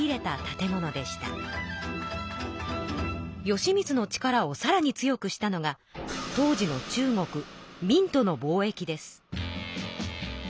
義満の力をさらに強くしたのが当時の中国明との貿易です。